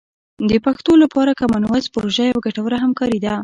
د پښتو لپاره کامن وایس پروژه یوه ګټوره همکاري ده.